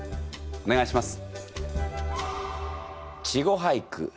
お願いします。